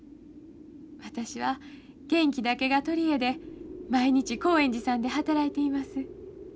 私は元気だけが取り柄で毎日興園寺さんで働いています。